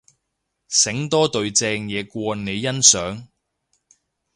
醒多隊正嘢過你欣賞